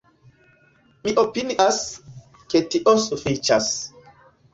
Mi opinias, ke tio sufiĉas!